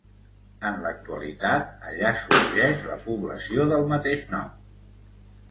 En l'actualitat allà sorgeix la població del mateix nom.